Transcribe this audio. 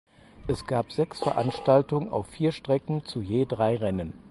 Es gab sechs Veranstaltungen auf vier Strecken zu je drei Rennen.